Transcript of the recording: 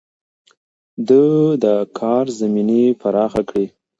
ده د کار زمينې پراخې کړې.